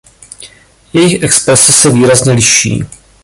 Jejich exprese se výrazně liší.